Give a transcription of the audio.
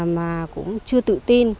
mà cũng chưa tự tin